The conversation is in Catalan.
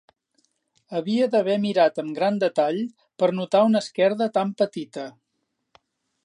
Havia d'haver mirat amb gran detall per notar una esquerda tan petita.